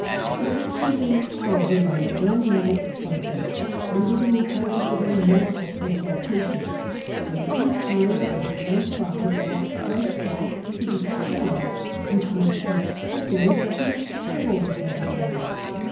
It was taken, how ever, by a young man of twenty, under the influence of a mental exaltation, and each year as it went by brought fresh tasks to be performed, which must take precedence of this chivalrous enterprise.